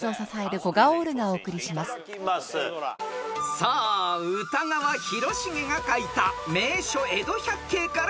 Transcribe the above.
［さあ歌川広重が描いた『名所江戸百景』から出題］